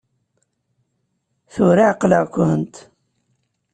Tura ɛeqleɣ-kent!